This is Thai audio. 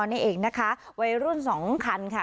นี่เองนะคะวัยรุ่นสองคันค่ะ